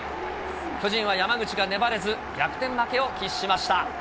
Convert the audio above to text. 巨人は山口が粘れず、逆転負けを喫しました。